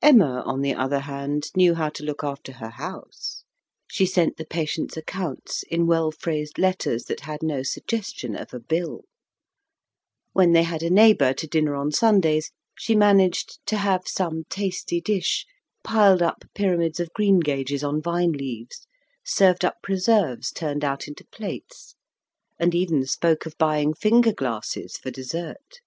Emma, on the other hand, knew how to look after her house. She sent the patients' accounts in well phrased letters that had no suggestion of a bill. When they had a neighbour to dinner on Sundays, she managed to have some tasty dish piled up pyramids of greengages on vine leaves, served up preserves turned out into plates and even spoke of buying finger glasses for dessert.